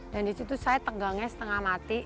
dan di situ saya tegangnya setengah mati